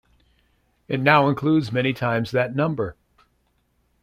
It now includes many times that number.